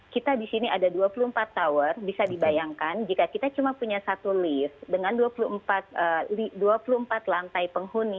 kita di sini ada dua puluh empat tower bisa dibayangkan jika kita cuma punya satu lift dengan dua puluh empat lantai penghuni